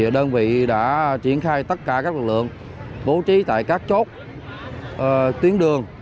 đơn vị đã triển khai tất cả các lực lượng bố trí tại các chốt tuyến đường